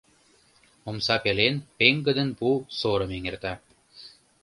Омса пелен пеҥгыдын пу сорым эҥерта.